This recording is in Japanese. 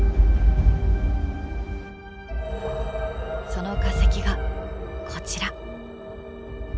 その化石がこちら。